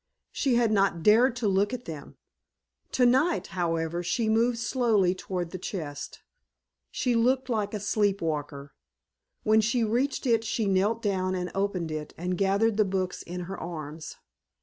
She had not dared to look at them! Tonight, however, she moved slowly toward the chest. She looked like a sleep walker. When she reached it she knelt down and opened it and gathered the books in her arms.